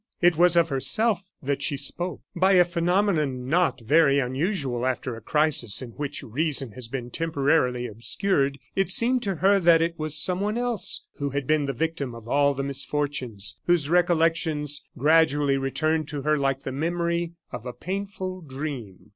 It was of herself that she spoke. By a phenomenon not very unusual after a crisis in which reason has been temporarily obscured, it seemed to her that it was someone else who had been the victim of all the misfortunes, whose recollections gradually returned to her like the memory of a painful dream.